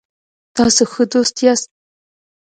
تاسو ښه دوست یاست